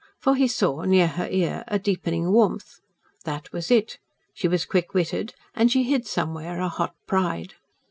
For he saw, near her ear, a deepening warmth. That was it. She was quick witted, and she hid somewhere a hot pride.